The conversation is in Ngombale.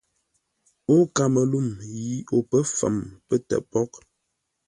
O kaməluŋ yi o pə̌ fəm pətə́ pôghʼ.